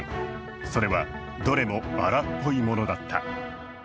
それはどれも荒っぽいものだった。